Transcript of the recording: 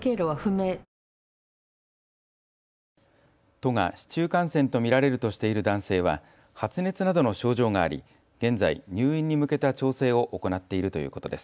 都が市中感染と見られるとしている男性は発熱などの症状があり現在、入院に向けた調整を行っているということです。